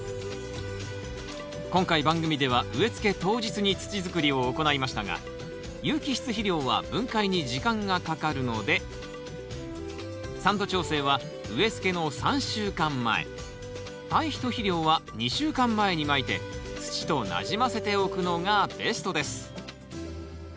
今回番組では植えつけ当日に土づくりを行いましたが有機質肥料は分解に時間がかかるので酸度調整は植えつけの３週間前堆肥と肥料は２週間前にまいて土となじませておくのがベストです。